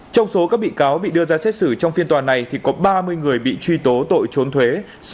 trong số các bị cáo bị đưa ra xét xử trong phiên tòa này thì có ba mươi người bị truy tố tội trốn thuế